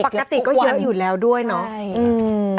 ปกติก็เยอะอยู่แล้วด้วยเนาะ